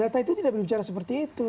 data itu tidak berbicara seperti itu